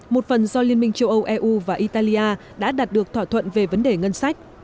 một phần do liên minh châu âu eu và italia đã đạt được thỏa thuận về vấn đề ngân sách